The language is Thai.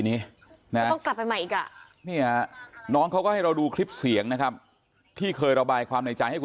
แล้วหนูก็เห็นใจต้อนที่มากที่เขาทำงานหนักนะคะ